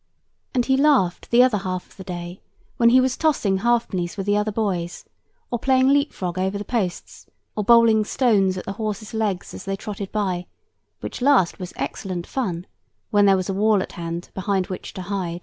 And he laughed the other half of the day, when he was tossing halfpennies with the other boys, or playing leap frog over the posts, or bowling stones at the horses' legs as they trotted by, which last was excellent fun, when there was a wall at hand behind which to hide.